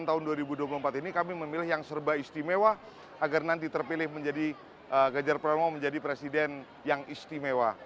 dan tahun dua ribu dua puluh empat ini kami memilih yang serba istimewa agar nanti terpilih menjadi ganjar pranowo menjadi presiden yang istimewa